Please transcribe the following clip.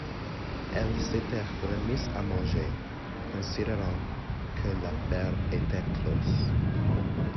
Elle s’était remise à manger, considérant que l’affaire était close.